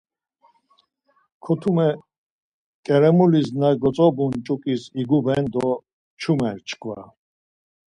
Kotume ǩeremulis na gotzobun ç̌uǩis iguben do pçumer çkva.